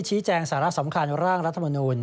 ชี้แจงสารสำคัญร่างรัฐมนุน